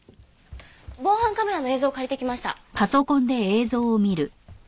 防犯カメラの映像を借りてきました。